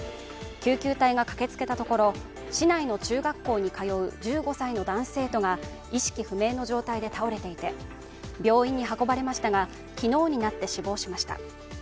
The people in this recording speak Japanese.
救急隊が駆けつけたところ市内の中学校に通う１５歳の男子生徒が意識不明の状態で倒れていて、病院に運ばれましたが昨日になって死亡しました。